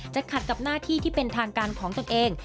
ขัดกับหน้าที่ที่เป็นทางการของตนเอง